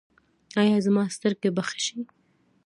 ایا زما سترګې به ښې شي؟